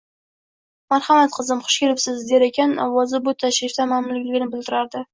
Marhamat qizim, xush kelibsiz, — der ekan, ovozi bu tashrifdan mamnunligini bildirardi.